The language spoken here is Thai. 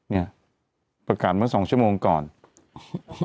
เนี่ยประกาศมาสองชั่วโมงก่อนอ๋อน่ะนี่ก็